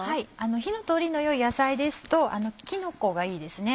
火の通りの良い野菜ですとキノコがいいですね。